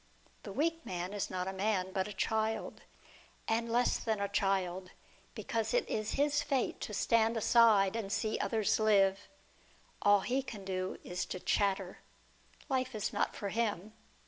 The weak man is not a man, but a child, and less than a child, because it is his fate to stand aside and see others live. All he can do is to chatter. Life is not for him.